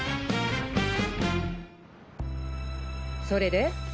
それで？